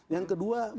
yang kedua misalnya